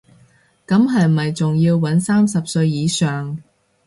咁係咪仲要搵三十歲以上